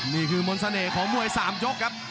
นี่คือมนต์เสน่ห์ของมวย๓ยกครับ